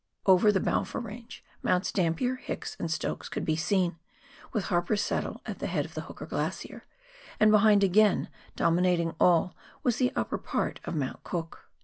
Over the Balfour Range, Mounts Dampier, Hicks, and Stokes could be seen, with Harper's Saddle at the head of the Hooker glacier, and behind again, dominating all, was the upper part of Mount Cook.